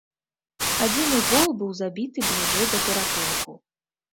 Адзіны гол быў забіты бліжэй да перапынку.